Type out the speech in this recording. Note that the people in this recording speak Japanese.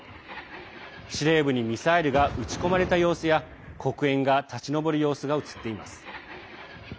司令部にミサイルが撃ち込まれた様子や黒煙が立ち上る様子が映っています。